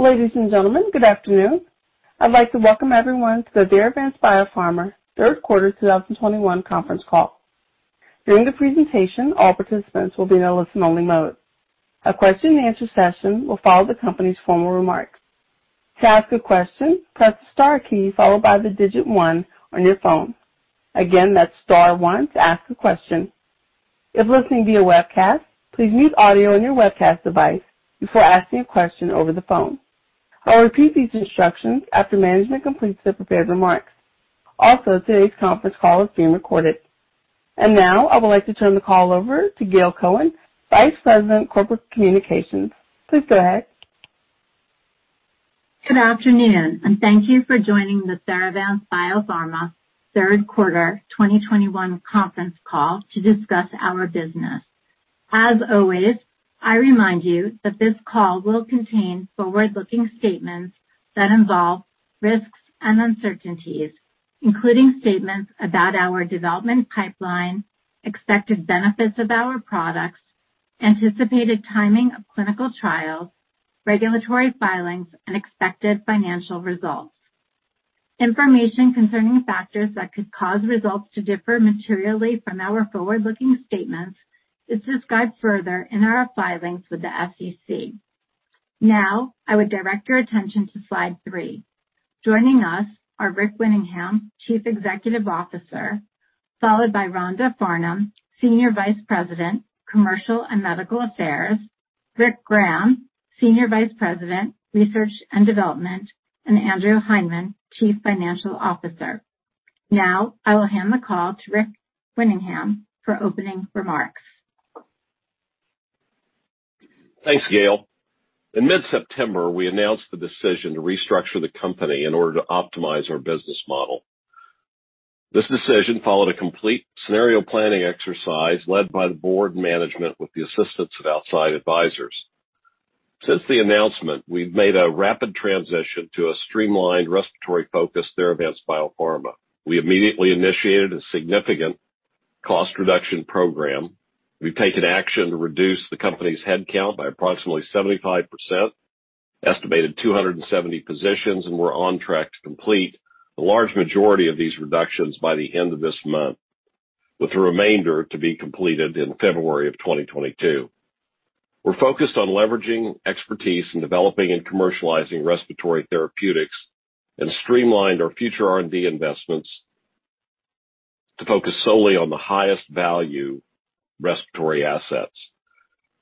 Ladies and gentlemen, good afternoon. I'd like to welcome everyone to the Theravance Biopharma Third Quarter 2021 Conference Call. During the presentation, all participants will be in a listen-only mode. A question-and-answer session will follow the company's formal remarks. To ask a question, press star key followed by the digit one on your phone. Again, that's star one to ask a question. If listening via webcast, please mute audio on your webcast device before asking a question over the phone. I'll repeat these instructions after management completes their prepared remarks. Also, today's conference call is being recorded. Now, I would like to turn the call over to Gail Cohen, Vice President, Corporate Communications. Please go ahead. Good afternoon, and thank you for joining the Theravance Biopharma Third Quarter 2021 Conference Call to discuss our business. As always, I remind you that this call will contain forward-looking statements that involve risks and uncertainties, including statements about our development pipeline, expected benefits of our products, anticipated timing of clinical trials, regulatory filings, and expected financial results. Information concerning factors that could cause results to differ materially from our forward-looking statements is described further in our filings with the SEC. Now, I would direct your attention to slide 3. Joining us are Rick Winningham, Chief Executive Officer, followed by Rhonda Farnum, Senior Vice President, Commercial and Medical Affairs, Rick Graham, Senior Vice President, Research and Development, and Andrew Hindman, Chief Financial Officer. Now, I will hand the call to Rick Winningham for opening remarks. Thanks, Gail. In mid-September, we announced the decision to restructure the company in order to optimize our business model. This decision followed a complete scenario planning exercise led by the board and management with the assistance of outside advisors. Since the announcement, we've made a rapid transition to a streamlined respiratory-focused Theravance Biopharma. We immediately initiated a significant cost reduction program. We've taken action to reduce the company's headcount by approximately 75%, estimated 270 positions, and we're on track to complete the large majority of these reductions by the end of this month, with the remainder to be completed in February 2022. We're focused on leveraging expertise in developing and commercializing respiratory therapeutics and streamlined our future R&D investments to focus solely on the highest value respiratory assets.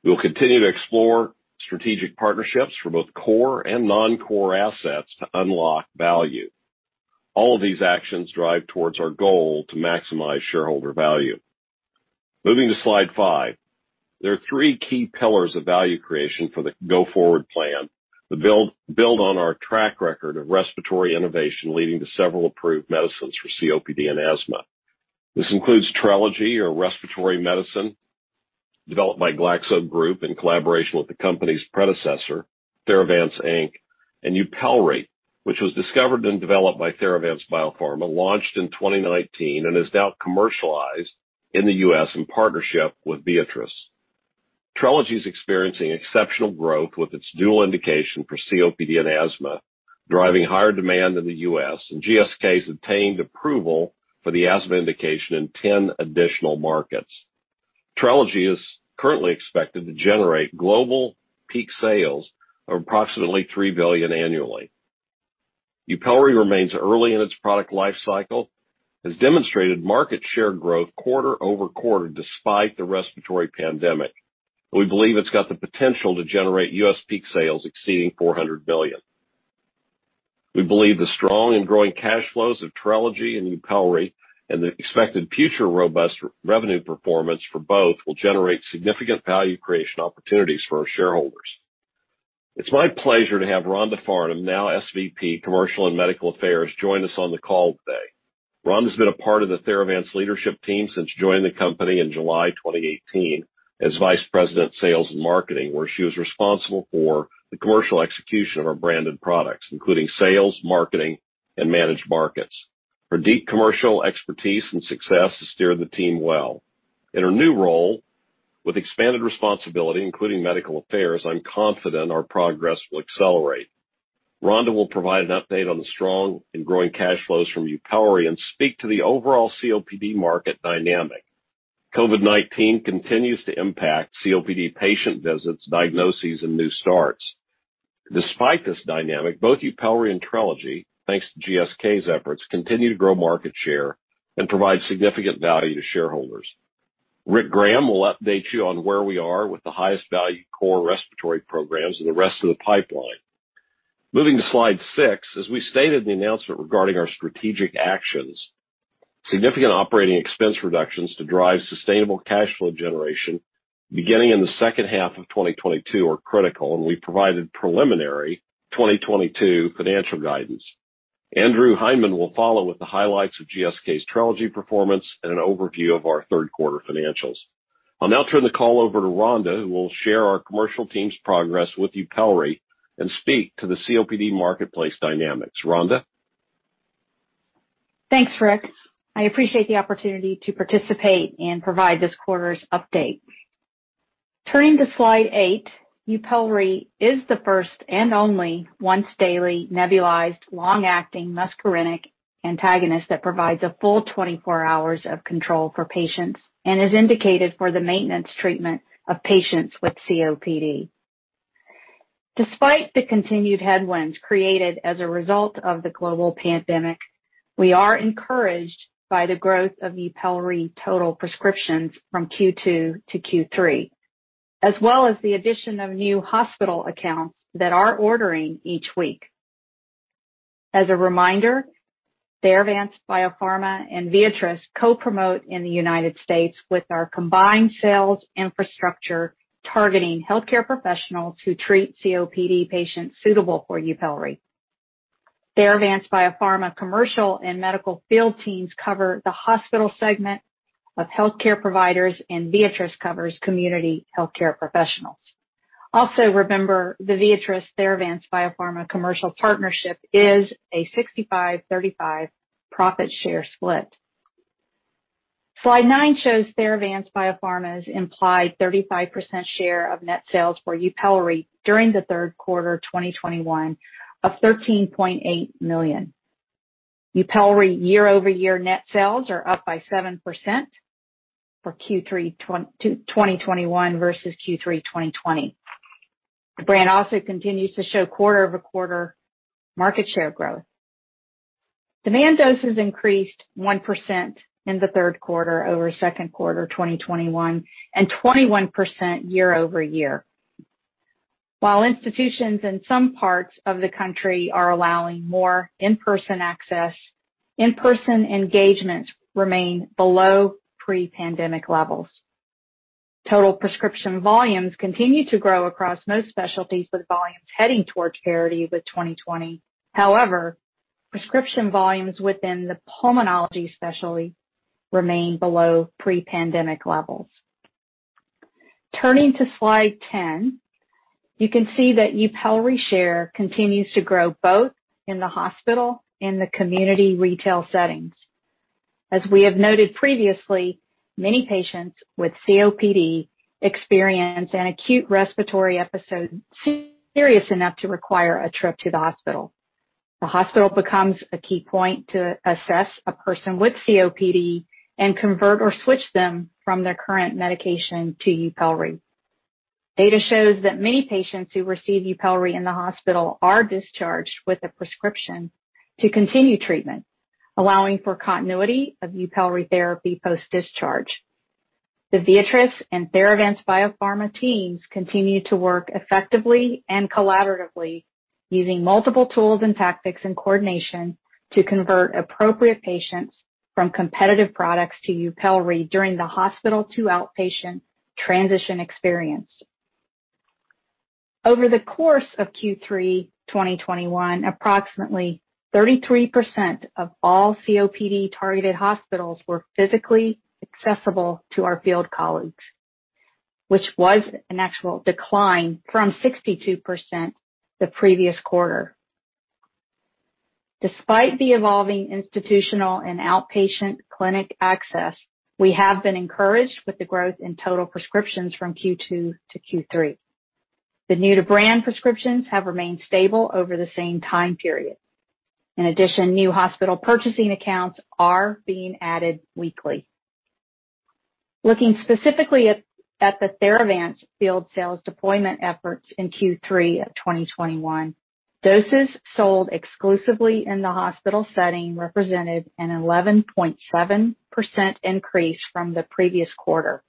We will continue to explore strategic partnerships for both core and non-core assets to unlock value. All of these actions drive towards our goal to maximize shareholder value. Moving to slide 5. There are three key pillars of value creation for the go-forward plan to build on our track record of respiratory innovation, leading to several approved medicines for COPD and asthma. This includes Trelegy, a respiratory medicine developed by Glaxo Group in collaboration with the company's predecessor, Theravance, Inc., and YUPELRI, which was discovered and developed by Theravance Biopharma, launched in 2019 and is now commercialized in the U.S. in partnership with Viatris. Trelegy is experiencing exceptional growth with its dual indication for COPD and asthma, driving higher demand in the U.S., and GSK's obtained approval for the asthma indication in 10 additional markets. Trelegy is currently expected to generate global peak sales of approximately $3 billion annually. YUPELRI remains early in its product life cycle, has demonstrated market share growth quarter over quarter despite the respiratory pandemic. We believe it's got the potential to generate U.S. peak sales exceeding $400 billion. We believe the strong and growing cash flows of Trelegy and YUPELRI and the expected future robust revenue performance for both will generate significant value creation opportunities for our shareholders. It's my pleasure to have Rhonda Farnum, now SVP, Commercial and Medical Affairs, join us on the call today. Rhonda's been a part of the Theravance leadership team since joining the company in July 2018 as Vice President, Sales and Marketing, where she was responsible for the commercial execution of our branded products, including sales, marketing, and managed markets. Her deep commercial expertise and success has steered the team well. In her new role with expanded responsibility, including medical affairs, I'm confident our progress will accelerate. Rhonda will provide an update on the strong and growing cash flows from YUPELRI and speak to the overall COPD market dynamic. COVID-19 continues to impact COPD patient visits, diagnoses, and new starts. Despite this dynamic, both YUPELRI and Trelegy, thanks to GSK's efforts, continue to grow market share and provide significant value to shareholders. Rick Graham will update you on where we are with the highest value core respiratory programs and the rest of the pipeline. Moving to slide 6. As we stated in the announcement regarding our strategic actions, significant operating expense reductions to drive sustainable cash flow generation beginning in the second half of 2022 are critical, and we provided preliminary 2022 financial guidance. Andrew Hindman will follow with the highlights of GSK's Trelegy Performance and an Overview of our Third Quarter Financials. I'll now turn the call over to Rhonda, who will share our commercial team's progress with YUPELRI and speak to the COPD marketplace dynamics. Rhonda? Thanks, Rick. I appreciate the opportunity to participate and provide this quarter's update. Turning to slide 8, YUPELRI is the first and only once-daily nebulized long-acting muscarinic antagonist that provides a full 24 hours of control for patients and is indicated for the maintenance treatment of patients with COPD. Despite the continued headwinds created as a result of the global pandemic, we are encouraged by the growth of YUPELRI total prescriptions from Q2 to Q3, as well as the addition of new hospital accounts that are ordering each week. As a reminder, Theravance Biopharma and Viatris co-promote in the United States with our combined sales infrastructure targeting healthcare professionals who treat COPD patients suitable for YUPELRI. Theravance Biopharma commercial and medical field teams cover the hospital segment of healthcare providers, and Viatris covers community healthcare professionals. Also remember, the Viatris-Theravance Biopharma commercial partnership is a 65/35 profit share split. Slide 9 shows Theravance Biopharma's implied 35% share of net sales for YUPELRI during Q3 2021 of $13.8 million. YUPELRI year-over-year net sales are up by 7% for Q3 2021 versus Q3 2020. The brand also continues to show quarter-over-quarter market share growth. Demand doses increased 1% in Q3 over Q2 2021, and 21% year-over-year. While institutions in some parts of the country are allowing more in-person access, in-person engagements remain below pre-pandemic levels. Total prescription volumes continue to grow across most specialties, with volumes heading towards parity with 2020. However, prescription volumes within the pulmonology specialty remain below pre-pandemic levels. Turning to slide 10, you can see that YUPELRI share continues to grow both in the hospital and the community retail settings. As we have noted previously, many patients with COPD experience an acute respiratory episode serious enough to require a trip to the hospital. The hospital becomes a key point to assess a person with COPD and convert or switch them from their current medication to YUPELRI. Data shows that many patients who receive YUPELRI in the hospital are discharged with a prescription to continue treatment, allowing for continuity of YUPELRI therapy post-discharge. The Viatris and Theravance Biopharma teams continue to work effectively and collaboratively using multiple tools and tactics in coordination to convert appropriate patients from competitive products to YUPELRI during the hospital-to-outpatient transition experience. Over the course of Q3 2021, approximately 33% of all COPD-targeted hospitals were physically accessible to our field colleagues, which was an actual decline from 62% the previous quarter. Despite the evolving institutional and outpatient clinic access, we have been encouraged with the growth in total prescriptions from Q2 to Q3. The new-to-brand prescriptions have remained stable over the same time period. In addition, new hospital purchasing accounts are being added weekly. Looking specifically at the Theravance field sales deployment efforts in Q3 of 2021, doses sold exclusively in the hospital setting represented an 11.7% increase from the previous quarter.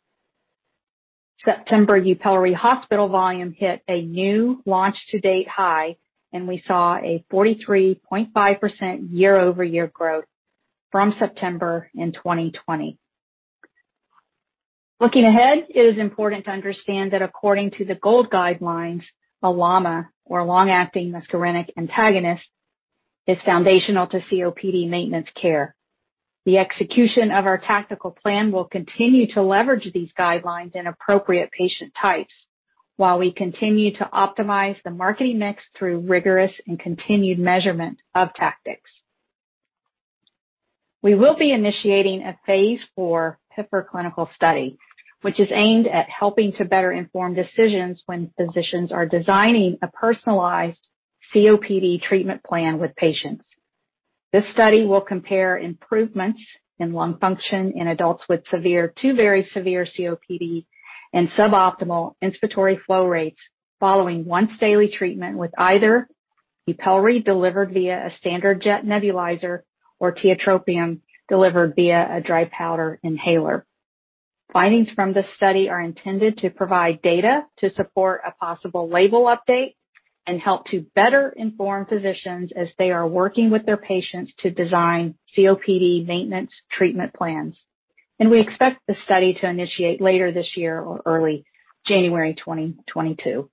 September YUPELRI hospital volume hit a new launch to date high, and we saw a 43.5% year-over-year growth from September in 2020. Looking ahead, it is important to understand that according to the GOLD guidelines, a LAMA, or long-acting muscarinic antagonist, is foundational to COPD maintenance care. The execution of our tactical plan will continue to leverage these guidelines in appropriate patient types while we continue to optimize the marketing mix through rigorous and continued measurement of tactics. We will be initiating a phase IV PIPER clinical study, which is aimed at helping to better inform decisions when physicians are designing a personalized COPD treatment plan with patients. This study will compare improvements in lung function in adults with severe to very severe COPD and suboptimal inspiratory flow rates following once daily treatment with either YUPELRI delivered via a standard jet nebulizer or tiotropium delivered via a dry powder inhaler. Findings from this study are intended to provide data to support a possible label update and help to better inform physicians as they are working with their patients to design COPD maintenance treatment plans. We expect the study to initiate later this year or early January 2022.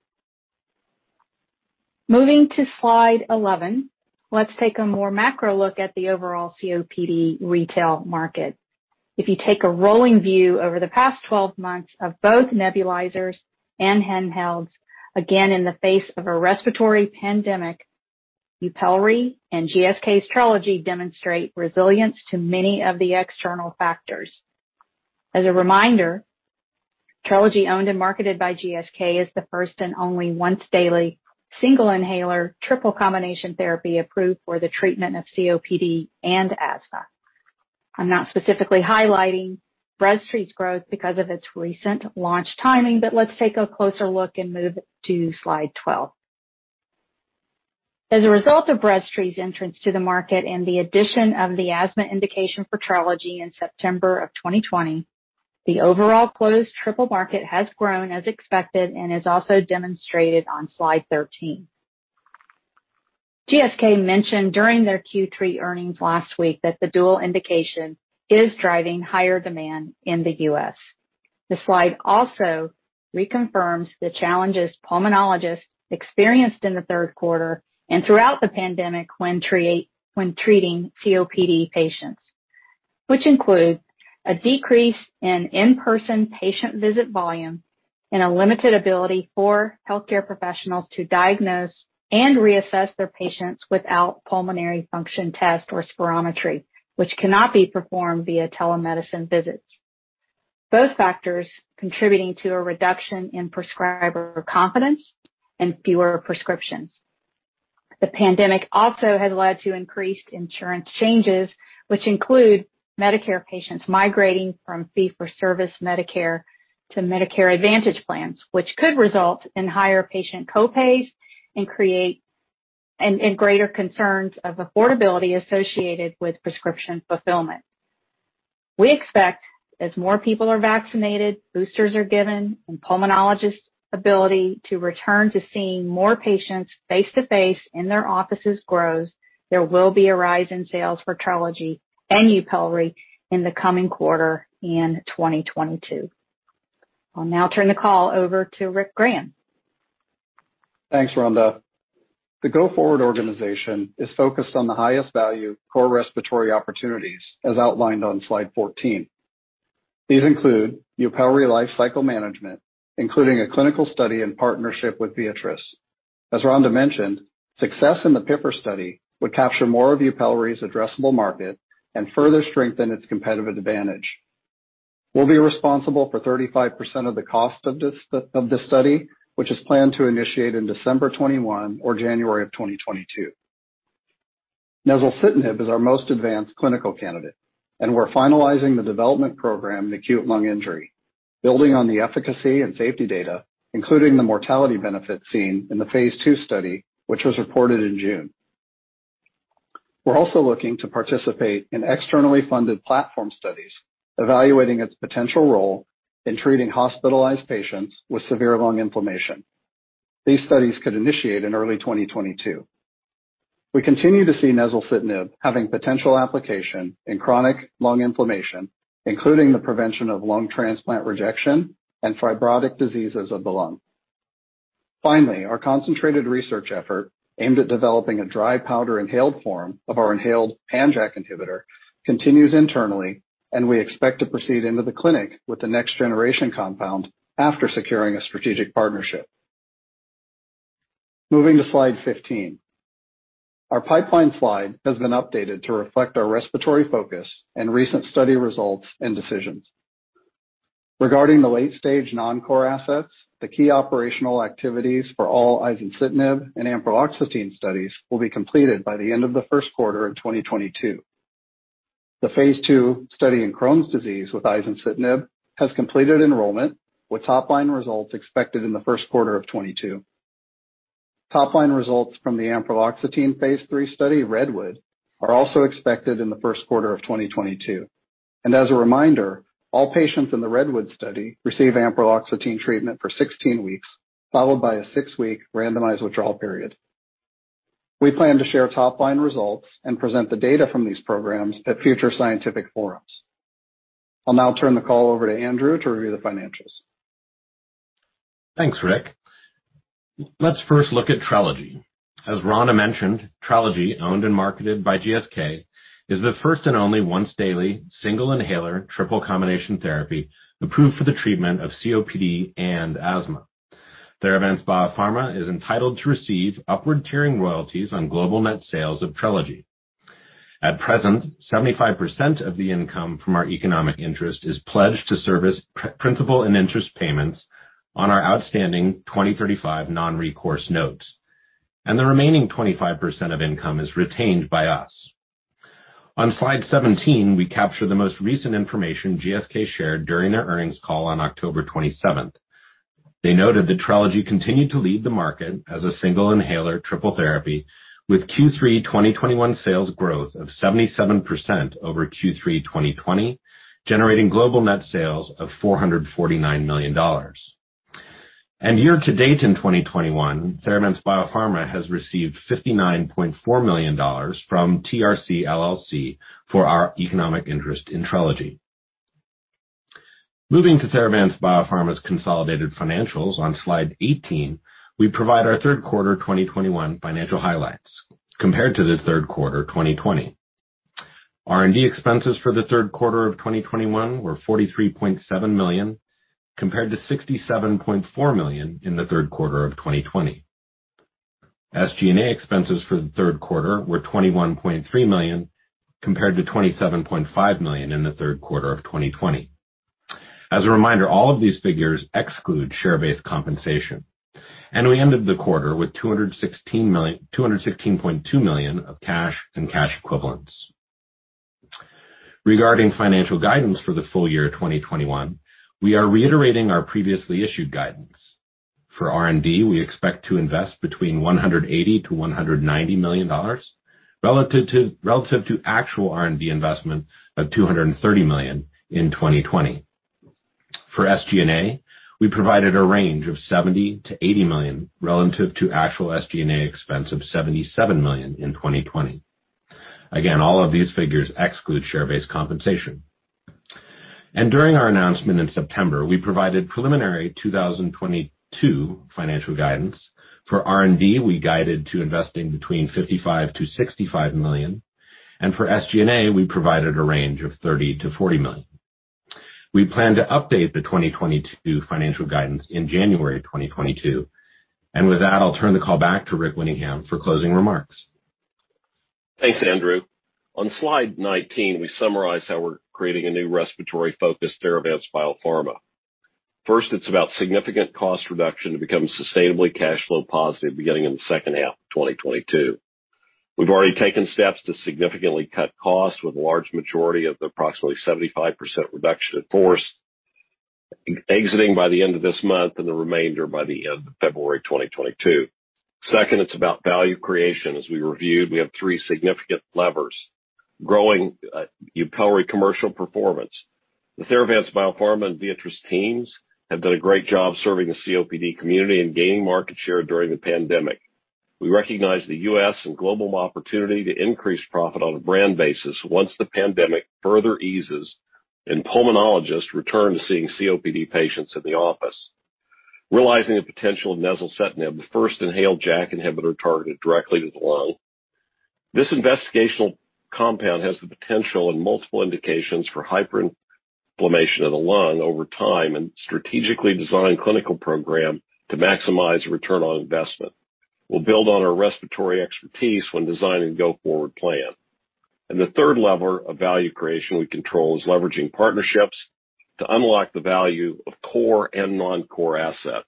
Moving to slide 11, let's take a more macro look at the overall COPD retail market. If you take a rolling view over the past 12 months of both nebulizers and handhelds, again in the face of a respiratory pandemic, YUPELRI and GSK's Trelegy demonstrate resilience to many of the external factors. As a reminder, Trelegy, owned and marketed by GSK, is the first and only once daily single inhaler triple combination therapy approved for the treatment of COPD and asthma. I'm not specifically highlighting Breztri's growth because of its recent launch timing, but let's take a closer look and move to slide 12. As a result of Breztri's entrance to the market and the addition of the asthma indication for Trelegy in September 2020, the overall closed triple market has grown as expected and is also demonstrated on slide 13. GSK mentioned during their Q3 earnings last week that the dual indication is driving higher demand in the U.S. The slide also reconfirms the challenges pulmonologists experienced in the third quarter and throughout the pandemic when treating COPD patients, which include a decrease in in-person patient visit volume and a limited ability for healthcare professionals to diagnose and reassess their patients without pulmonary function test or spirometry, which cannot be performed via telemedicine visits. Both factors contributing to a reduction in prescriber confidence and fewer prescriptions. The pandemic also has led to increased insurance changes, which include Medicare patients migrating from fee-for-service Medicare to Medicare Advantage plans, which could result in higher patient co-pays and greater concerns of affordability associated with prescription fulfillment. We expect as more people are vaccinated, boosters are given, and pulmonologists' ability to return to seeing more patients face-to-face in their offices grows, there will be a rise in sales for Trelegy and YUPELRI in the coming quarter in 2022. I'll now turn the call over to Rick Graham. Thanks, Rhonda. The go-forward organization is focused on the highest value core respiratory opportunities, as outlined on slide 14. These include YUPELRI life cycle management, including a clinical study in partnership with Viatris. As Rhonda mentioned, success in the PIPER study would capture more of YUPELRI's addressable market and further strengthen its competitive advantage. We'll be responsible for 35% of the cost of this study, which is planned to initiate in December 2021 or January 2022. Nezulcitinib is our most advanced clinical candidate, and we're finalizing the development program in acute lung injury, building on the efficacy and safety data, including the mortality benefit seen in the phase II study, which was reported in June. We're also looking to participate in externally funded platform studies evaluating its potential role in treating hospitalized patients with severe lung inflammation. These studies could initiate in early 2022. We continue to see nezulcitinib having potential application in chronic lung inflammation, including the prevention of lung transplant rejection and fibrotic diseases of the lung. Finally, our concentrated research effort aimed at developing a dry powder inhaled form of our inhaled pan-JAK inhibitor continues internally, and we expect to proceed into the clinic with the next generation compound after securing a strategic partnership. Moving to slide 15. Our pipeline slide has been updated to reflect our respiratory focus and recent study results and decisions. Regarding the late-stage non-core assets, the key operational activities for all Izencitinib and Ampreloxetine studies will be completed by the end of the first quarter of 2022. The phase II study in Crohn's disease with Izencitinib has completed enrollment, with top-line results expected in the first quarter of 2022. Top-line results from the Ampreloxetine phase III study, REDWOOD, are also expected in the first quarter of 2022. As a reminder, all patients in the REDWOOD study receive Ampreloxetine treatment for 16 weeks, followed by a 6-week randomized withdrawal period. We plan to share top-line results and present the data from these programs at future scientific forums. I'll now turn the call over to Andrew to review the financials. Thanks, Rick. Let's first look at Trelegy. As Rhonda mentioned, Trelegy, owned and marketed by GSK, is the first and only once daily single inhaler triple combination therapy approved for the treatment of COPD and asthma. Theravance Biopharma is entitled to receive upward tiering royalties on global net sales of Trelegy. At present, 75% of the income from our economic interest is pledged to service principal and interest payments on our outstanding 2035 non-recourse notes, and the remaining 25% of income is retained by us. On slide 17, we capture the most recent information GSK shared during their earnings call on October 27th. They noted that Trelegy continued to lead the market as a single inhaler triple therapy with Q3 2021 sales growth of 77% over Q3 2020, generating global net sales of $449 million. Year to date in 2021, Theravance Biopharma has received $59.4 million from TRC LLC for our economic interest in Trelegy. Moving to Theravance Biopharma's consolidated financials on slide 18, we provide our Third Quarter 2021 Financial Highlights compared to the third quarter 2020. R&D expenses for the third quarter of 2021 were $43.7 million, compared to $67.4 million in the third quarter of 2020. SG&A expenses for the third quarter were $21.3 million, compared to $27.5 million in the third quarter of 2020. As a reminder, all of these figures exclude share-based compensation. We ended the quarter with $216.2 million of cash and cash equivalents. Regarding financial guidance for the full year of 2021, we are reiterating our previously issued guidance. For R&D, we expect to invest between $180 million-$190 million relative to actual R&D investment of $230 million in 2020. For SG&A, we provided a range of $70 million-$80 million relative to actual SG&A expense of $77 million in 2020. Again, all of these figures exclude share-based compensation. During our announcement in September, we provided preliminary 2022 financial guidance. For R&D, we guided to investing between $55 million-$65 million. For SG&A, we provided a range of $30 million-$40 million. We plan to update the 2022 financial guidance in January of 2022. With that, I'll turn the call back to Rick Winningham for closing remarks. Thanks, Andrew. On slide 19, we summarize how we're creating a new respiratory-focused Theravance Biopharma. First, it's about significant cost reduction to become sustainably cash flow positive beginning in the second half of 2022. We've already taken steps to significantly cut costs with a large majority of the approximately 75% reduction in force exiting by the end of this month and the remainder by the end of February 2022. Second, it's about value creation. As we reviewed, we have 3 significant levers. Growing YUPELRI commercial performance. The Theravance Biopharma and Viatris teams have done a great job serving the COPD community and gaining market share during the pandemic. We recognize the U.S. and global opportunity to increase profit on a brand basis once the pandemic further eases and pulmonologists return to seeing COPD patients in the office. Realizing the potential of Nezulcitinib, the first inhaled JAK inhibitor targeted directly to the lung. This investigational compound has the potential in multiple indications for hyperinflammation of the lung over time and strategically designed clinical program to maximize return on investment. We'll build on our respiratory expertise when designing go-forward plan. The third lever of value creation we control is leveraging partnerships to unlock the value of core and non-core assets.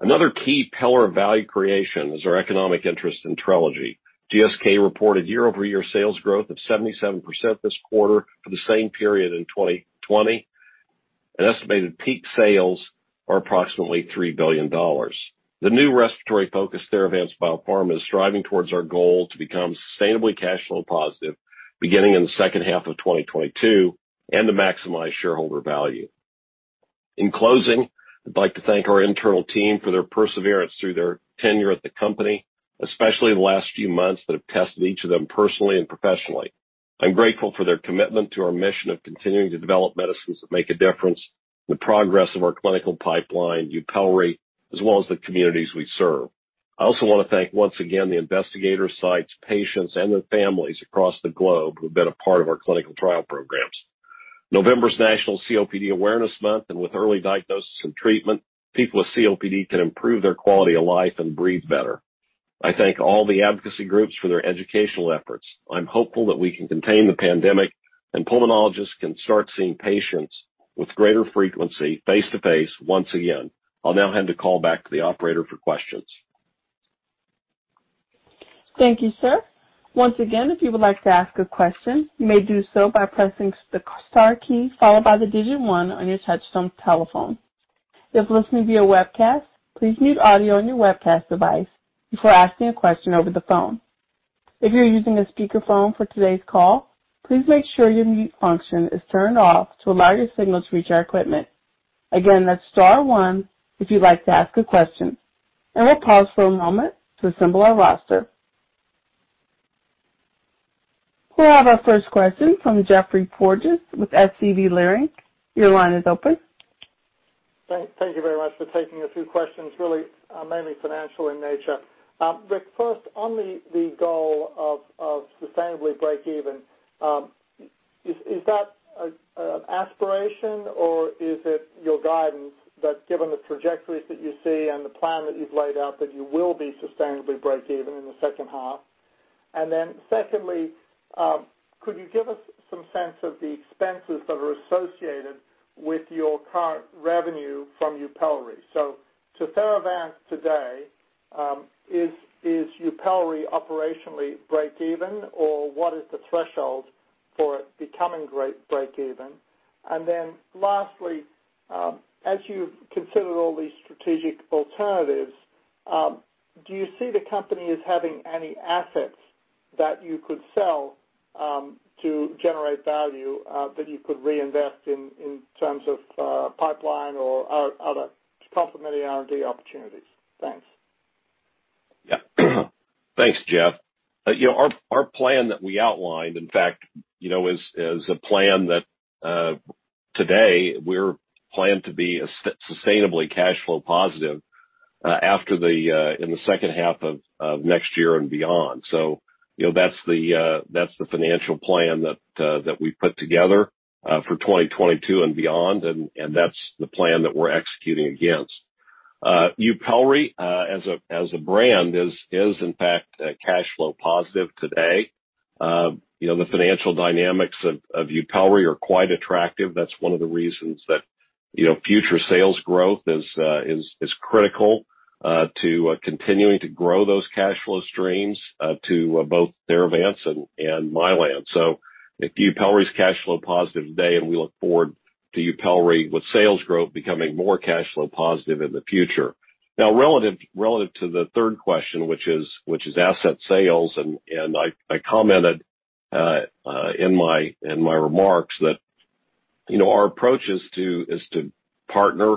Another key pillar of value creation is our economic interest in Trelegy. GSK reported year-over-year sales growth of 77% this quarter for the same period in 2020. An estimated peak sales are approximately $3 billion. The new respiratory-focused Theravance Biopharma is striving towards our goal to become sustainably cash flow positive beginning in the second half of 2022 and to maximize shareholder value. In closing, I'd like to thank our internal team for their perseverance through their tenure at the company, especially the last few months that have tested each of them personally and professionally. I'm grateful for their commitment to our mission of continuing to develop medicines that make a difference, the progress of our clinical pipeline, YUPELRI, as well as the communities we serve. I also want to thank once again the investigator sites, patients, and their families across the globe who've been a part of our clinical trial programs. November is National COPD Awareness Month, and with early diagnosis and treatment, people with COPD can improve their quality of life and breathe better. I thank all the advocacy groups for their educational efforts. I'm hopeful that we can contain the pandemic and pulmonologists can start seeing patients with greater frequency face-to-face once again. I'll now hand the call back to the operator for questions. Thank you, sir. Once again, if you would like to ask a question, you may do so by pressing the star key followed by the digit one on your touchtone telephone. If listening via webcast, please mute audio on your webcast device before asking a question over the phone. If you're using a speakerphone for today's call, please make sure your mute function is turned off to allow your signal to reach our equipment. Again, that's star one if you'd like to ask a question. We'll pause for a moment to assemble our roster. We'll have our first question from Geoffrey Porges with SVB Leerink. Your line is open. Thank you very much for taking a few questions, really mainly financial in nature. Rick, first, on the goal of sustainably breakeven, is that an aspiration, or is it your guidance that given the trajectories that you see and the plan that you've laid out that you will be sustainably breakeven in the second half? Secondly, could you give us some sense of the expenses that are associated with your current revenue from YUPELRI? To Theravance today, is YUPELRI operationally breakeven, or what is the threshold for it becoming breakeven? Lastly, as you've considered all these strategic alternatives, do you see the company as having any assets that you could sell to generate value that you could reinvest in terms of pipeline or other complementary R&D opportunities? Thanks. Thanks, Geoffrey. You know, our plan that we outlined, in fact, you know, is a plan that today we're planned to be sustainably cash flow positive in the second half of next year and beyond. You know, that's the financial plan that we've put together for 2022 and beyond, and that's the plan that we're executing against. YUPELRI as a brand is in fact cash flow positive today. You know, the financial dynamics of YUPELRI are quite attractive. That's one of the reasons that future sales growth is critical to continuing to grow those cash flow streams to both Theravance and Mylan. If YUPELRI is cash flow positive today, and we look forward to YUPELRI with sales growth becoming more cash flow positive in the future. Now relative to the third question, which is asset sales, and I commented in my remarks that, you know, our approach is to partner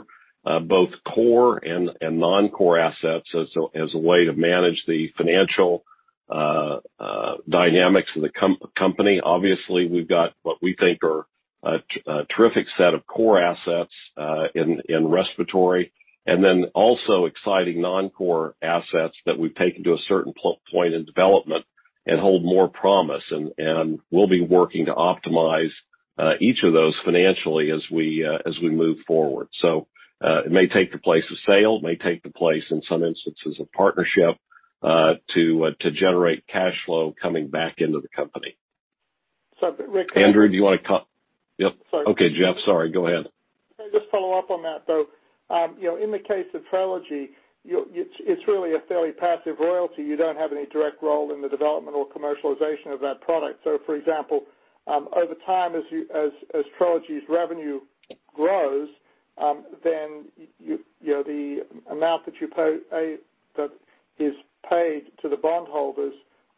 both core and non-core assets as a way to manage the financial dynamics of the company. Obviously, we've got what we think are a terrific set of core assets in respiratory, and then also exciting non-core assets that we've taken to a certain point in development and hold more promise. We'll be working to optimize each of those financially as we move forward. It may take the place of a sale, it may take the place in some instances of a partnership, to generate cash flow coming back into the company. Rick Andrew, do you wanna com- Sorry. Yep. Okay, Geofrey. Sorry. Go ahead. If I could just follow up on that, though. You know, in the case of Trelegy, it's really a fairly passive royalty. You don't have any direct role in the development or commercialization of that product. For example, over time, as Trelegy's revenue grows, then you know, the amount that is paid to the bondholders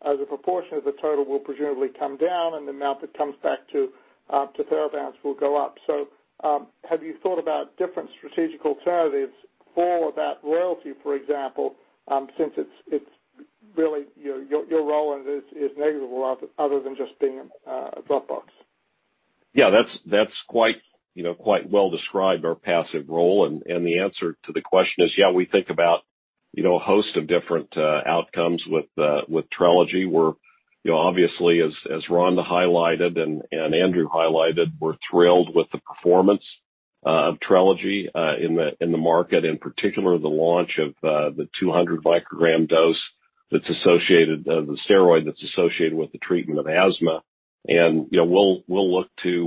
as a proportion of the total will presumably come down, and the amount that comes back to Theravance will go up. Have you thought about different strategic alternatives for that royalty, for example, since it's really, you know, your role in it is negligible other than just being a drop box? Yeah. That's quite, you know, quite well described, our passive role. The answer to the question is, yeah, we think about, you know, a host of different outcomes with Trelegy. We're, you know, obviously, as Rhonda highlighted and Andrew highlighted, we're thrilled with the performance of Trelegy in the market, in particular, the launch of the 200 microgram dose that's associated the steroid that's associated with the treatment of asthma. You know, we'll look to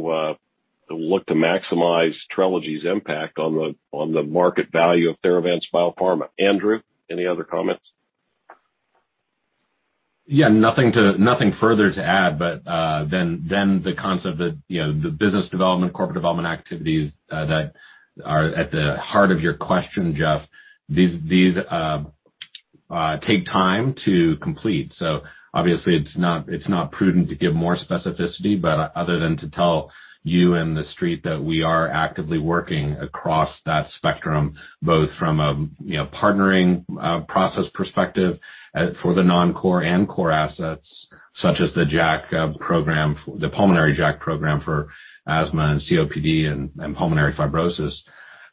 maximize Trelegy's impact on the market value of Theravance Biopharma. Andrew, any other comments? Nothing further to add, but then the concept that, you know, the business development, corporate development activities that are at the heart of your question, Jeff. These take time to complete. Obviously it's not prudent to give more specificity, but other than to tell you and the street that we are actively working across that spectrum, both from a, you know, partnering process perspective for the non-core and core assets, such as the JAK program, the pulmonary JAK program for asthma and COPD and pulmonary fibrosis.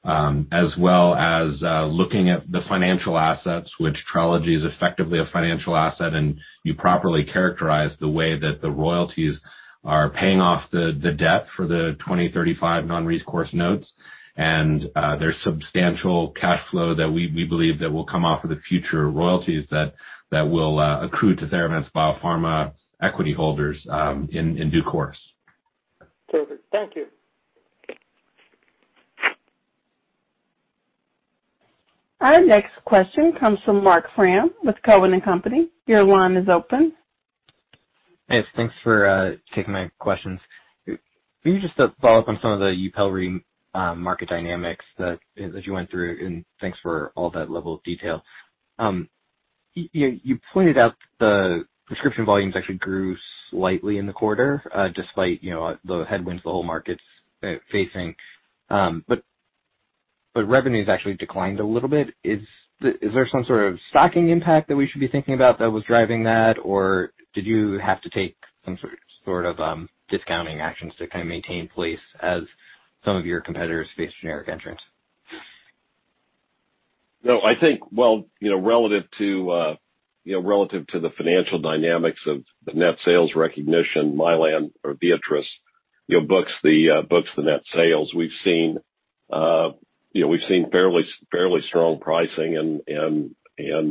As well as looking at the financial assets, which Trelegy is effectively a financial asset, and you properly characterize the way that the royalties are paying off the debt for the 2035 non-recourse notes. There's substantial cash flow that we believe that will come off of the future royalties that will accrue to Theravance Biopharma equity holders, in due course. Perfect. Thank you. Our next question comes from Marc Frahm with Cowen and Company. Your line is open. Yes. Thanks for taking my questions. Can you just follow up on some of the YUPELRI market dynamics that, as you went through, and thanks for all that level of detail. You pointed out the prescription volumes actually grew slightly in the quarter, despite, you know, the headwinds the whole market's facing. But revenue's actually declined a little bit. Is there some sort of stocking impact that we should be thinking about that was driving that, or did you have to take some sort of discounting actions to kind of maintain place as some of your competitors face generic entrants? No, I think, well, you know, relative to the financial dynamics of the net sales recognition, Mylan or Viatris, you know, books the net sales. We've seen fairly strong pricing and, you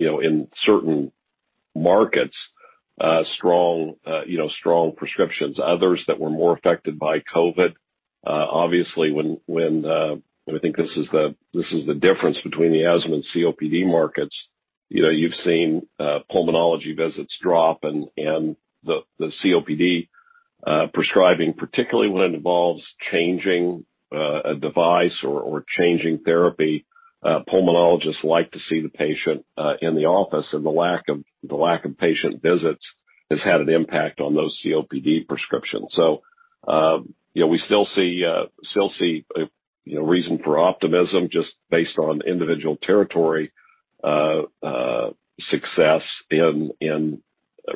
know, in certain markets, strong prescriptions, others that were more affected by COVID. Obviously, this is the difference between the asthma and COPD markets. You know, you've seen pulmonology visits drop and the COPD prescribing, particularly when it involves changing a device or changing therapy, pulmonologists like to see the patient in the office, and the lack of patient visits has had an impact on those COPD prescriptions. You know, we still see you know reason for optimism just based on individual territory success in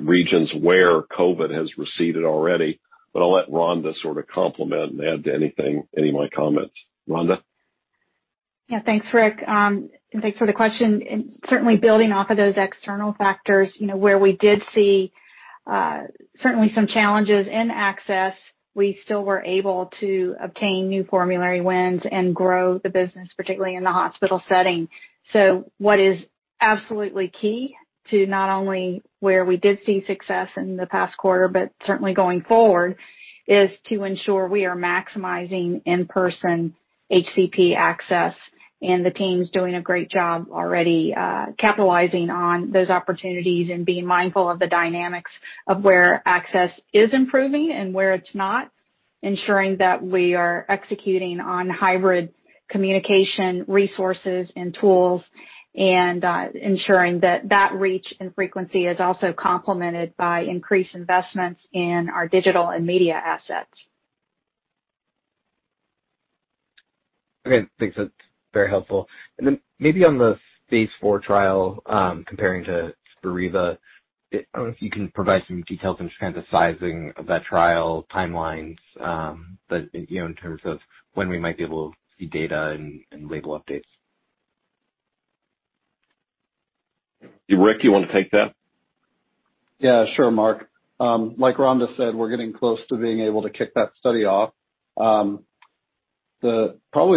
regions where COVID has receded already. I'll let Rhonda sort of complement and add to anything, any of my comments. Rhonda? Yeah. Thanks, Rick. Thanks for the question, and certainly building off of those external factors, you know, where we did see certainly some challenges in access, we still were able to obtain new formulary wins and grow the business, particularly in the hospital setting. What is absolutely key to not only where we did see success in the past quarter, but certainly going forward, is to ensure we are maximizing in-person HCP access. The team's doing a great job already, capitalizing on those opportunities and being mindful of the dynamics of where access is improving and where it's not, ensuring that we are executing on hybrid communication resources and tools, and ensuring that that reach and frequency is also complemented by increased investments in our digital and media assets. Okay. Thanks. That's very helpful. Maybe on the phase IV trial, comparing to Spiriva, I don't know if you can provide some details in just kind of the sizing of that trial timelines, but, you know, in terms of when we might be able to see data and label updates. Rick, you wanna take that? Yeah, sure, Marc. Like Rhonda said, we're getting close to being able to kick that study off. Probably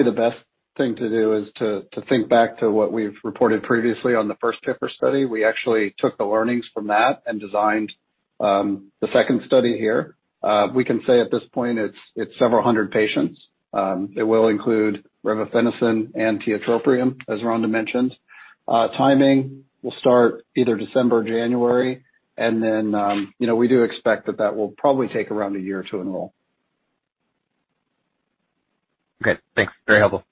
the best thing to do is think back to what we've reported previously on the first PIPER study. We actually took the learnings from that and designed the second study here. We can say at this point it's several hundred patients. It will include revefenacin and tiotropium, as Rhonda mentioned. Timing will start either December or January. Then, you know, we do expect that will probably take around a year to enroll. Okay, thanks. Very helpful.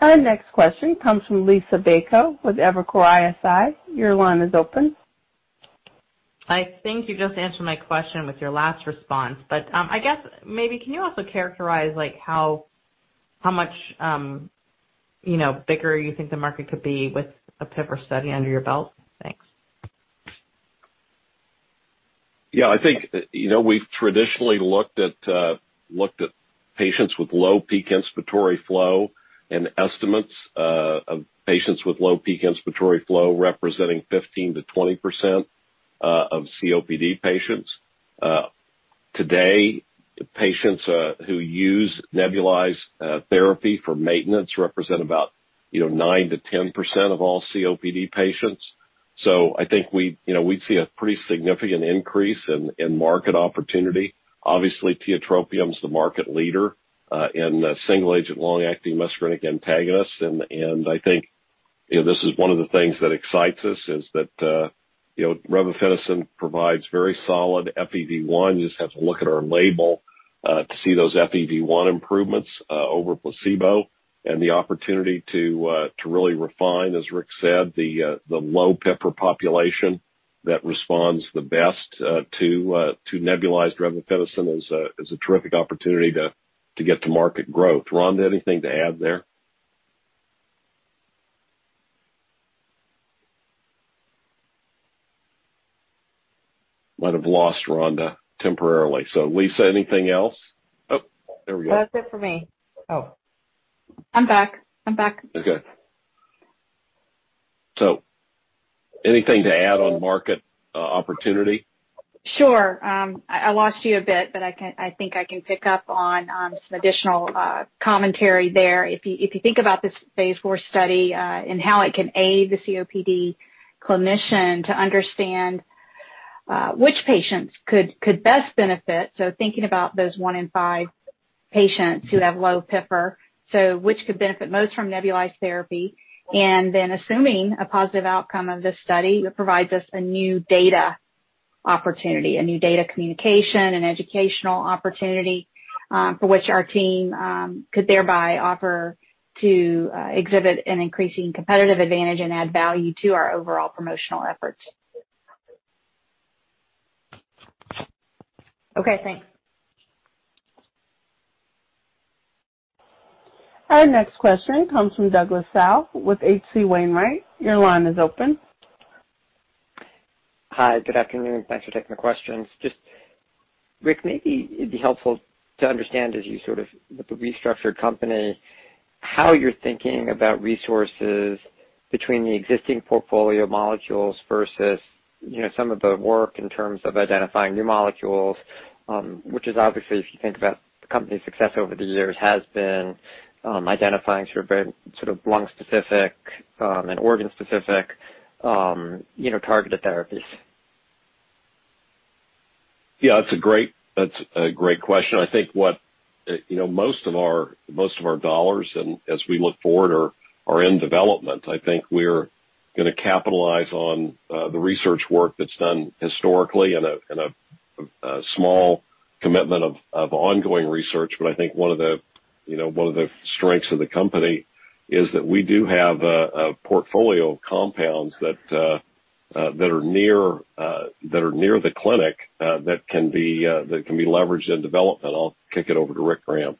Our next question comes from Liisa Bayko with Evercore ISI. Your line is open. I think you just answered my question with your last response. I guess maybe can you also characterize, like, how much, you know, bigger you think the market could be with a PIPER study under your belt? Thanks. Yeah. I think, you know, we've traditionally looked at patients with low peak inspiratory flow and estimates of patients with low peak inspiratory flow representing 15%-20% of COPD patients. Today, patients who use nebulized therapy for maintenance represent about, you know, 9%-10% of all COPD patients. I think we, you know, we see a pretty significant increase in market opportunity. Obviously, tiotropium is the market leader in the single agent long-acting muscarinic antagonist. I think, you know, this is one of the things that excites us is that, you know, Revefenacin provides very solid FEV1. You just have to look at our label to see those FEV1 improvements over placebo and the opportunity to really refine, as Rick said, the low PIFR population that responds the best to nebulized Revefenacin is a terrific opportunity to get to market growth. Rhonda, anything to add there? Might have lost Rhonda temporarily. Liisa, anything else? Oh, there we go. That's it for me. Oh. I'm back. Okay. Anything to add on market opportunity? Sure. I lost you a bit, but I think I can pick up on some additional commentary there. If you think about this phase IV study and how it can aid the COPD clinician to understand which patients could best benefit, so thinking about those one in five patients who have low PIPER, so which could benefit most from nebulized therapy. Then assuming a positive outcome of this study, it provides us a new data opportunity, a new data communication and educational opportunity for which our team could thereby offer to exhibit an increasing competitive advantage and add value to our overall promotional efforts. Okay, thanks. Our next question comes from Douglas Tsao with H.C. Wainwright. Your line is open. Hi. Good afternoon. Thanks for taking the questions. Just, Rick, maybe it'd be helpful to understand as you sort of, with the restructured company, how you're thinking about resources between the existing portfolio molecules versus, you know, some of the work in terms of identifying new molecules, which is obviously, if you think about the company's success over the years, has been, identifying sort of very lung specific, and organ specific, you know, targeted therapies. Yeah, that's a great question. I think most of our dollars and as we look forward are in development. I think we're gonna capitalize on the research work that's done historically in a small commitment of ongoing research. I think one of the strengths of the company is that we do have a portfolio of compounds that are near the clinic that can be leveraged in development. I'll kick it over to Rick Graham.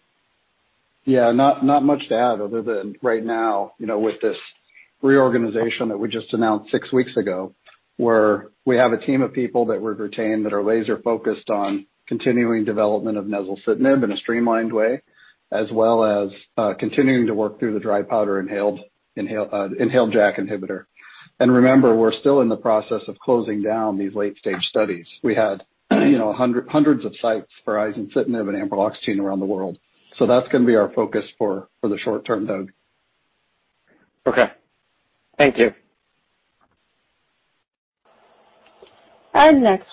Yeah. Not much to add other than right now, you know, with this reorganization that we just announced six weeks ago, where we have a team of people that we've retained that are laser-focused on continuing development of Nezulcitinib in a streamlined way, as well as continuing to work through the dry powder inhaled JAK inhibitor. Remember, we're still in the process of closing down these late-stage studies. We had, you know, hundreds of sites for Izencitinib and Ampreloxetine around the world. That's gonna be our focus for the short term, Doug. Okay. Thank you. Our next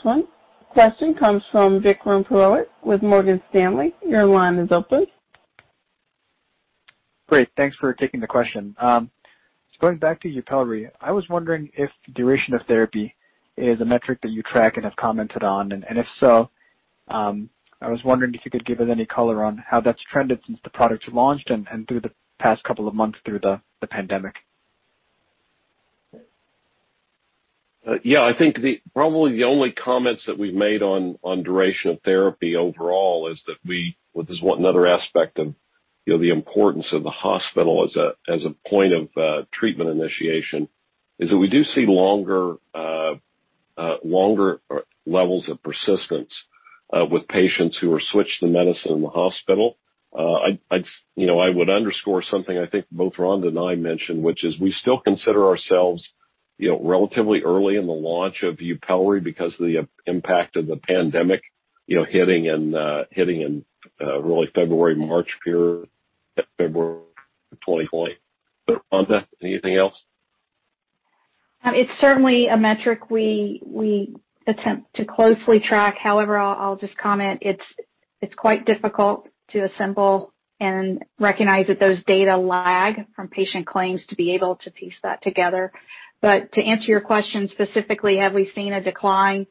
question comes from Vikram Purohit with Morgan Stanley. Your line is open. Great. Thanks for taking the question. Just going back to YUPELRI, I was wondering if duration of therapy is a metric that you track and have commented on. If so, I was wondering if you could give it any color on how that's trended since the product's launched and through the past couple of months through the pandemic. Yeah, I think probably the only comments that we've made on duration of therapy overall is that this is one other aspect of, you know, the importance of the hospital as a point of treatment initiation, is that we do see longer levels of persistence with patients who are switched to medicine in the hospital. You know, I would underscore something I think both Rhonda and I mentioned, which is we still consider ourselves, you know, relatively early in the launch of YUPELRI because of the impact of the pandemic, you know, hitting in really February-March period, February 2020. Rhonda, anything else? It's certainly a metric we attempt to closely track. However, I'll just comment it's quite difficult to assemble and recognize that those data lag from patient claims to be able to piece that together. To answer your question specifically, have we seen a decline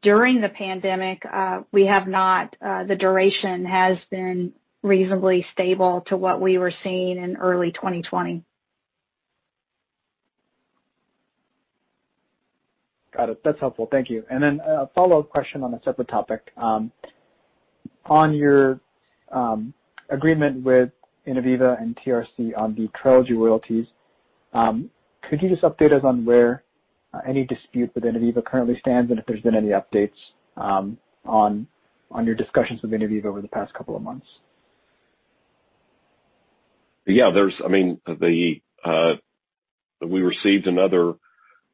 during the pandemic? We have not. The duration has been reasonably stable to what we were seeing in early 2020. Got it. That's helpful. Thank you. A follow-up question on a separate topic. On your agreement with Innoviva and TRC on the Trelegy royalties, could you just update us on where any dispute with Innoviva currently stands, and if there's been any updates on your discussions with Innoviva over the past couple of months? Yeah. I mean, we received another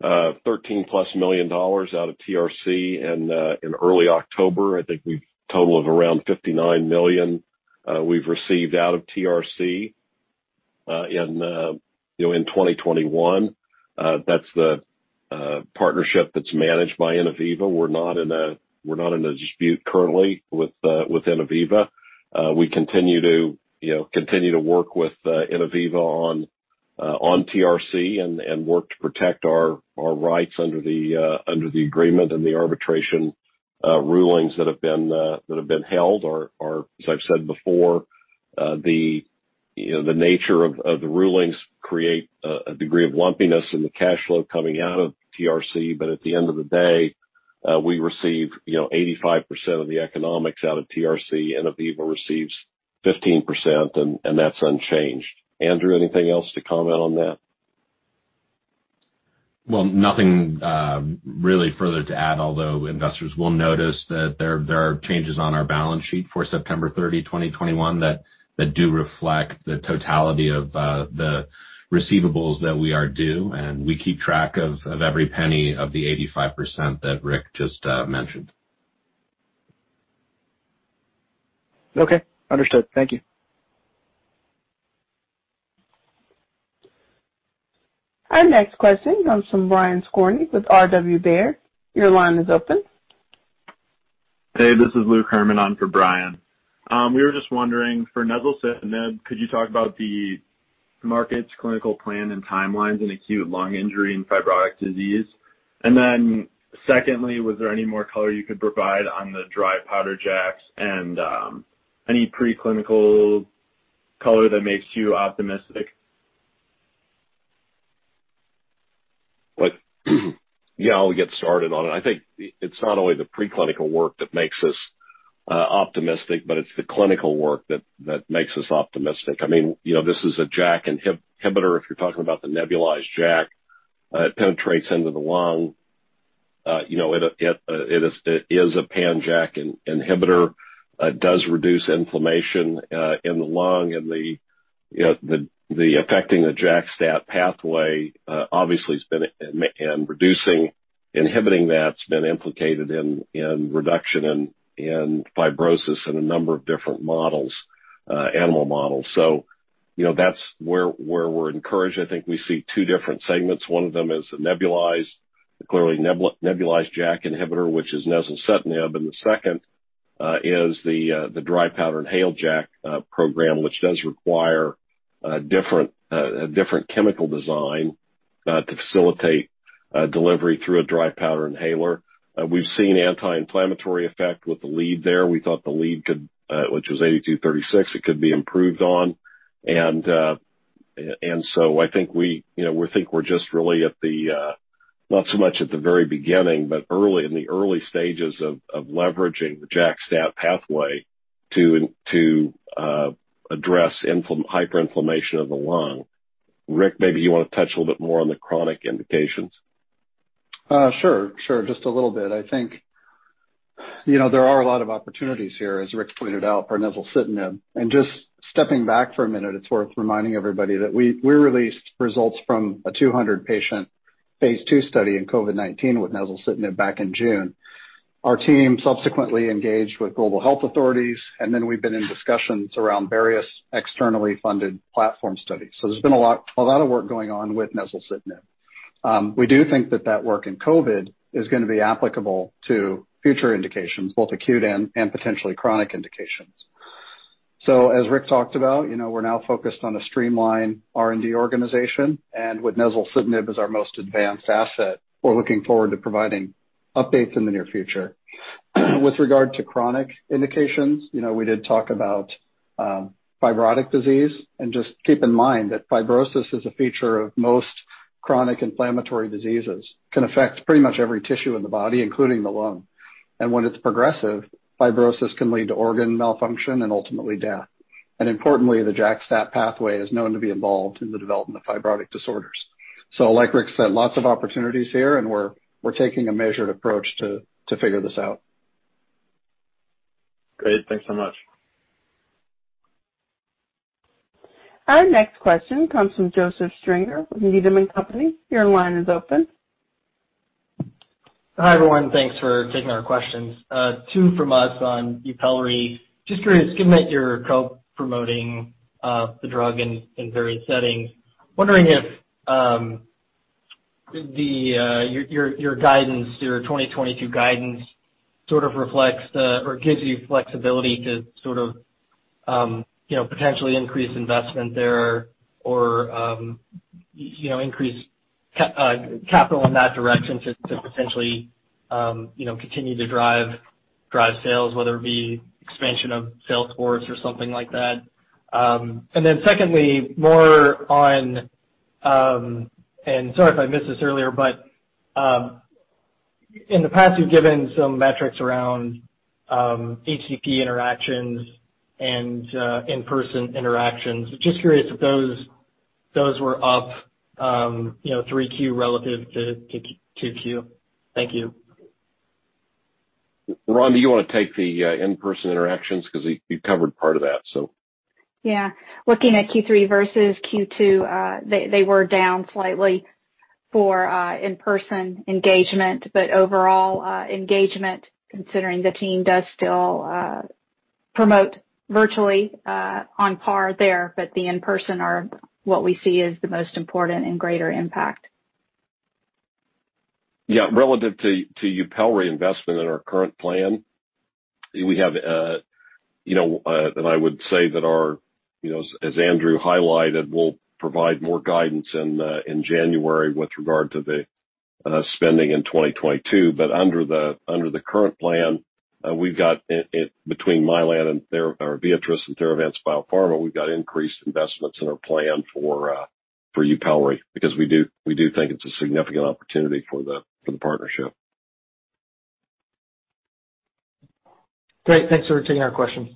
$13+ million out of TRC in early October. I think we've a total of around $59 million we've received out of TRC in 2021. That's the partnership that's managed by Innoviva. We're not in a dispute currently with Innoviva. We continue to, you know, work with Innoviva on TRC and work to protect our rights under the agreement and the arbitration rulings that have been held, as I've said before, the nature of the rulings create a degree of lumpiness in the cash flow coming out of TRC. At the end of the day, we receive, you know, 85% of the economics out of TRC, Innoviva receives 15%, and that's unchanged. Andrew, anything else to comment on that? Well, nothing really further to add, although investors will notice that there are changes on our balance sheet for September 30, 2021 that do reflect the totality of the receivables that we are due, and we keep track of every penny of the 85% that Rick just mentioned. Okay, understood. Thank you. Our next question comes from Brian Skorney with R.W. Baird. Your line is open. Hey, this is Luke Hermann on for Brian Skorney. We were just wondering, for Nezulcitinib, could you talk about the molecule's clinical plan and timelines in acute lung injury and fibrotic disease? Secondly, was there any more color you could provide on the dry powder JAKs and any preclinical color that makes you optimistic? Yeah, I'll get started on it. I think it's not only the preclinical work that makes us optimistic, but it's the clinical work that makes us optimistic. I mean, you know, this is a JAK inhibitor. If you're talking about the nebulized JAK, it penetrates into the lung. You know, it is a pan-JAK inhibitor, does reduce inflammation in the lung and, you know, affecting the JAK/STAT pathway, obviously has been in reducing inhibiting that's been implicated in reduction in fibrosis in a number of different models, animal models. So, you know, that's where we're encouraged. I think we see two different segments. One of them is the nebulized, clearly nebulized JAK inhibitor, which is Nezulcitinib, and the second is the dry powder inhaled JAK program, which does require a different chemical design to facilitate delivery through a dry powder inhaler. We've seen anti-inflammatory effect with the lead there. We thought the lead could, which was TD-8236, it could be improved on. And so I think we, you know, we think we're just really at the, not so much at the very beginning, but early in the early stages of leveraging the JAK-STAT pathway to address hyper inflammation of the lung. Rick, maybe you wanna touch a little bit more on the chronic indications. Sure. Just a little bit. I think, you know, there are a lot of opportunities here, as Rick pointed out for Nezulcitinib. Just stepping back for a minute, it's worth reminding everybody that we released results from a 200-patient phase II study in COVID-19 with Nezulcitinib back in June. Our team subsequently engaged with global health authorities, and then we've been in discussions around various externally funded platform studies. There's been a lot of work going on with Nezulcitinib. We do think that work in COVID is gonna be applicable to future indications, both acute and potentially chronic indications. As Rick talked about, you know, we're now focused on a streamlined R&D organization, and with Nezulcitinib as our most advanced asset, we're looking forward to providing updates in the near future. With regard to chronic indications, you know, we did talk about fibrotic disease. Just keep in mind that fibrosis is a feature of most chronic inflammatory diseases. Can affect pretty much every tissue in the body, including the lung. When it's progressive, fibrosis can lead to organ malfunction and ultimately death. Importantly, the JAK/STAT pathway is known to be involved in the development of fibrotic disorders. Like Rick said, lots of opportunities here, and we're taking a measured approach to figure this out. Great. Thanks so much. Our next question comes from Joseph Stringer with Needham & Company. Your line is open. Hi, everyone. Thanks for taking our questions. Two from us on YUPELRI. Just curious, given that you're co-promoting the drug in various settings, wondering if your 2022 guidance sort of reflects or gives you flexibility to sort of, you know, potentially increase investment there or, you know, increase capital in that direction to potentially, you know, continue to drive sales, whether it be expansion of sales force or something like that. Then secondly, more on, and sorry if I missed this earlier, but in the past, you've given some metrics around HCP interactions and in-person interactions. Just curious if those were up, you know, 3Q relative to 2Q. Thank you. Ron, do you wanna take the in-person interactions? 'Cause we've covered part of that, so. Yeah. Looking at Q3 versus Q2, they were down slightly for in-person engagement. Overall engagement, considering the team does still promote virtually, on par there, but the in-person are what we see as the most important and greater impact. Yeah. Relative to YUPELRI investment in our current plan, we have you know and I would say that our you know, as Andrew highlighted, we'll provide more guidance in January with regard to the spending in 2022. Under the current plan, we've got between Mylan or Viatris and Theravance Biopharma, we've got increased investments in our plan for YUPELRI because we do think it's a significant opportunity for the partnership. Great. Thanks for taking our questions.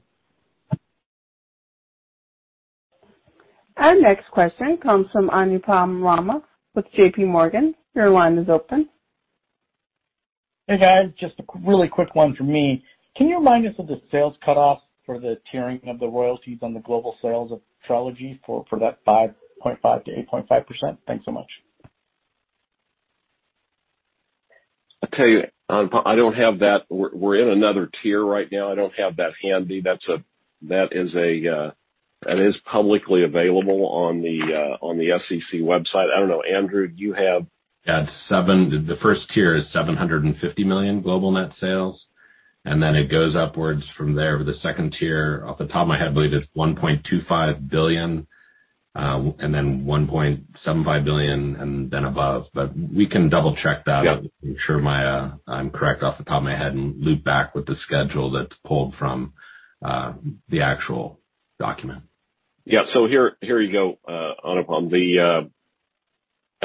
Our next question comes from Anupam Rama with J.P. Morgan. Your line is open. Hey, guys, just a really quick one from me. Can you remind us of the sales cutoff for the tiering of the royalties on the global sales of Trelegy for that 5.5%-8.5%? Thanks so much. I'll tell you, Anupam, I don't have that. We're in another tier right now. I don't have that handy. That is publicly available on the SEC website. I don't know. Andrew, do you have- Yeah. The first tier is $750 million global net sales, and then it goes upwards from there. The second tier off the top of my head, I believe, is $1.25 billion, and then $1.75 billion and then above. But we can double-check that. Yep. I'm correct off the top of my head and loop back with the schedule that's pulled from the actual document. Yeah. Here you go, Anupam.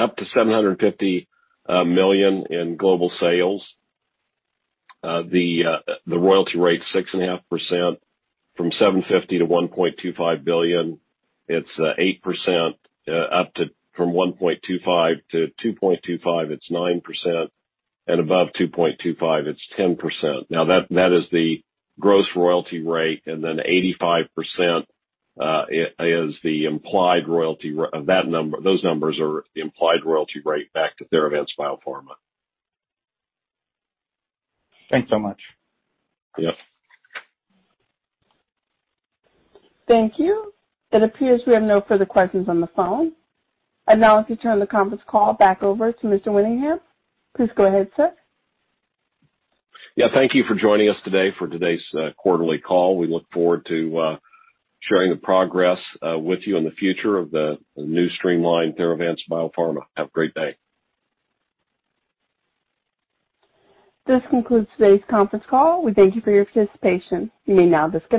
Up to $750 million in global sales, the royalty rate's 6.5%. From $750 million to $1.25 billion, it's 8%. From $1.25 billion to $2.25 billion, it's 9%. Above $2.25 billion, it's 10%. That is the gross royalty rate, and then 85% is the implied royalty rate. Those numbers are the implied royalty rate back to Theravance Biopharma. Thanks so much. Yep. Thank you. It appears we have no further questions on the phone. I'd now like to turn the conference call back over to Mr. Winningham. Please go ahead, sir. Yeah. Thank you for joining us today for today's quarterly call. We look forward to sharing the progress with you in the future of the new streamlined Theravance Biopharma. Have a great day. This concludes today's conference call. We thank you for your participation. You may now disconnect.